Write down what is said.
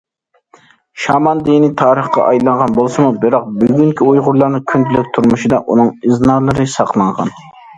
شامان دىنى تارىخقا ئايلانغان بولسىمۇ، بىراق بۈگۈنكى ئۇيغۇرلارنىڭ كۈندىلىك تۇرمۇشىدا ئۇنىڭ ئىزنالىرى ساقلانغان.